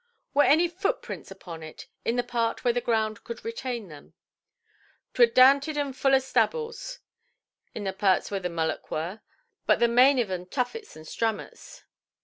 "Were there any footprints upon it, in the part where the ground could retain them"? "ʼTwur dounted and full of stabbles, in the pearts whur the mulloch wur, but the main of 'un tuffets and stramots".